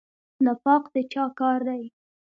نفاق د چا کار دی؟